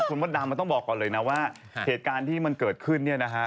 คุณมดดำมันต้องบอกก่อนเลยนะว่าเหตุการณ์ที่มันเกิดขึ้นเนี่ยนะฮะ